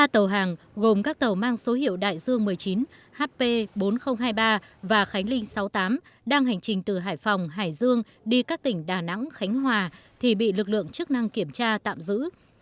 ba tàu hàng gồm các tàu mang số hiệu đại dương một mươi chín hp bốn nghìn hai mươi ba và khánh linh sáu mươi tám đang hành trình từ hải phòng hải dương đi các tỉnh đà nẵng khánh hòa thì bị lực lượng chức năng kiểm tra tạm giữ